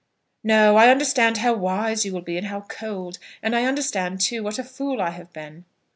"No. I understand how wise you will be, and how cold; and I understand, too, what a fool I have been."